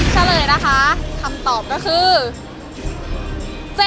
เฉลยนะคะคำตอบก็คือ